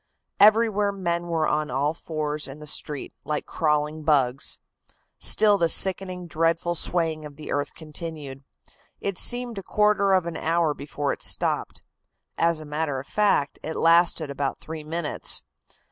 "Everywhere men were on all fours in the street, like crawling bugs. Still the sickening, dreadful swaying of the earth continued. It seemed a quarter of an hour before it stopped. As a matter of fact, it lasted about three minutes.